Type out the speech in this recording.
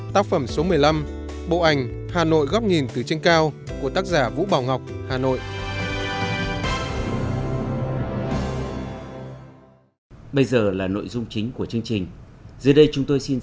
tác phẩm số một mươi năm bộ ảnh hà nội góc nhìn từ trên cao của tác giả vũ bảo ngọc hà nội